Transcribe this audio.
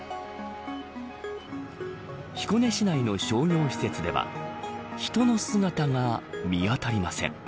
彦根市内の商業施設では人の姿が見あたりません。